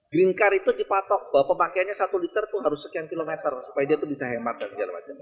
green car itu dipatok bahwa pemakaiannya satu liter itu harus sekian kilometer supaya dia bisa hemat dan segala macam